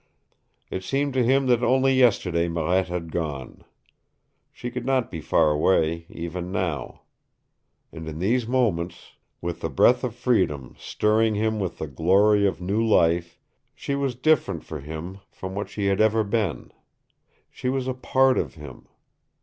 It seemed to him that only yesterday Marette had gone. She could not be far away, even now. And in these moments, with the breath of freedom stirring him with the glory of new life, she was different for him from what she had ever been. She was a part of him.